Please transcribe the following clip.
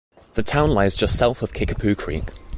The town lies just south of Kickapoo Creek.